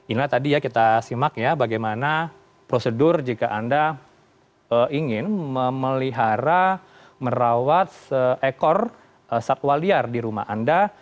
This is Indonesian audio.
inilah tadi ya kita simak ya bagaimana prosedur jika anda ingin memelihara merawat seekor satwa liar di rumah anda